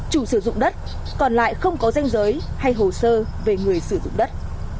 chủ sử dụng đất còn lại không có danh giới hay hồ sơ về người sử dụng đất